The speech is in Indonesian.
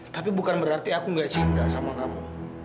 tapi bukan berarti aku gak cinta sama kamu